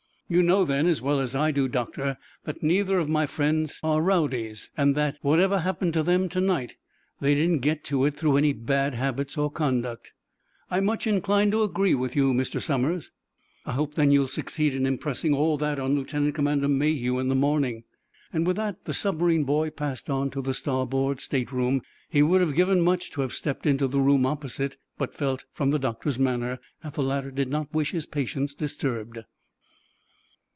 "You know, then, as well as I do, Doctor, that neither of my chums are rowdies, and that, whatever happened to them to night, they didn't get to it through any bad habits or conduct?" "I'm much inclined to agree with you, Mr. Somers." "I hope, then, you'll succeed in impressing all that on Lieutenant Commander Mayhew in the morning." With that the submarine boy passed on to the starboard stateroom. He would have given much to have stepped into the room opposite, but felt, from the doctor's manner, that the latter did not wish his patients disturbed.